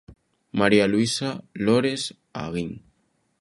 María Luisa Lores Aguín.